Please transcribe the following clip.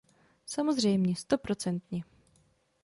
Samozřejmě, stoprocentně.